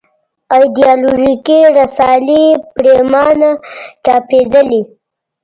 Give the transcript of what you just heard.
ایدیالوژیکې رسالې پرېمانه چاپېدلې.